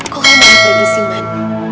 kok emang aku lagi sih man